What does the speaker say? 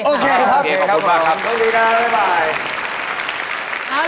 โอเคครับครับผมสวัสดีครับบ๊ายบาย